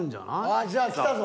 ああじゃあきたぞ。